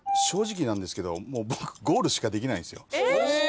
正直なんですけどもうゴールしかできないんですよ。